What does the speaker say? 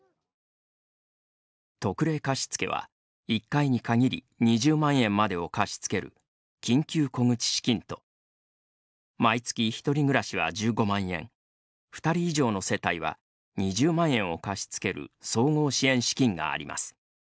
特例貸付は、１回に限り２０万円までを貸し付ける「緊急小口資金」と毎月、１人暮らしは１５万円２人以上の世帯は２０万円を貸し付ける「総合支援資金」があります。